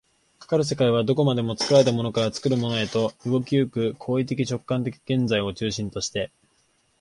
かかる世界はどこまでも作られたものから作るものへと、動き行く行為的直観的現在を中心として、